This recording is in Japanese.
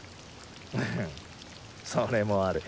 フッそれもある。